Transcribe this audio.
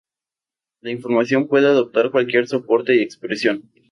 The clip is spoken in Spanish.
La información puede adoptar cualquier soporte y expresión.